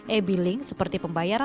e billing seperti pembayaran